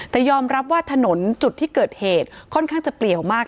แต่ยอมรับว่าถนนจุดที่เกิดเหตุค่อนข้างจะเปลี่ยวมาก